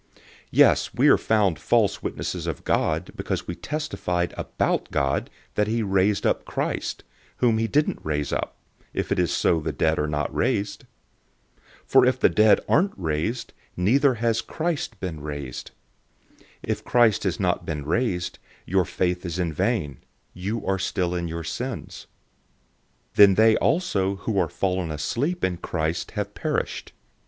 015:015 Yes, we are found false witnesses of God, because we testified about God that he raised up Christ, whom he didn't raise up, if it is so that the dead are not raised. 015:016 For if the dead aren't raised, neither has Christ been raised. 015:017 If Christ has not been raised, your faith is vain; you are still in your sins. 015:018 Then they also who are fallen asleep in Christ have perished.